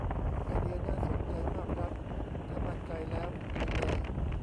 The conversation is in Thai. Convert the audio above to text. ไอเดียน่าสนใจมากครับ ถ้ามั่นใจแล้วลุยเลย